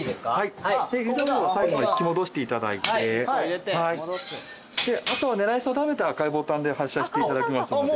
で入れたら最後まで引き戻していただいてあとは狙い定めて赤いボタンで発射していただきますので。